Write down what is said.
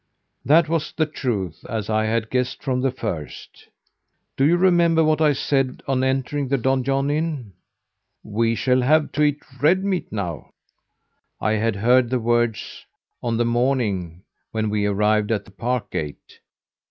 That was the truth, as I had guessed from the first. Do you remember what I said, on entering the Donjon Inn? 'We shall have to eat red meat now!' I had heard the words on the same morning when we arrived at the park gate.